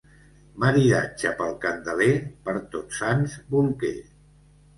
Maridatge pel Candeler, per Tots Sants bolquer.